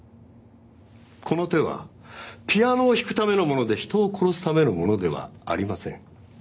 この手はピアノを弾くためのもので人を殺すためのものではありません。